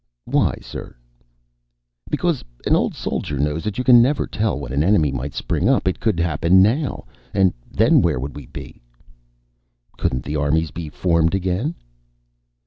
"Why, sir?" "Because an old soldier knows that you can never tell when an enemy might spring up. It could happen now. And then where would we be?" "Couldn't the armies be formed again?"